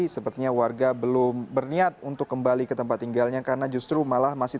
sepertinya warga belum berniat untuk kembali ke tempat tinggalnya karena justru malah masih